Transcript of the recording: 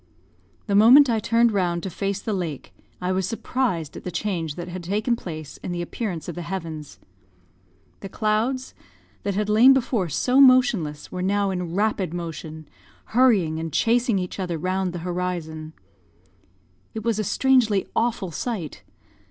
The moment I turned round to face the lake, I was surprised at the change that had taken place in the appearance of the heavens. The clouds, that had before lain so motionless, were now in rapid motion, hurrying and chasing each other round the horizon. It was a strangely awful sight.